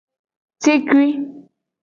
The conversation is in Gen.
Cikui.